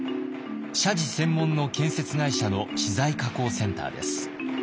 社寺専門の建設会社の資材加工センターです。